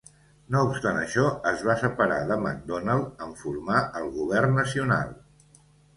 No obstant això, es va separar de MacDonald en formar el govern nacional.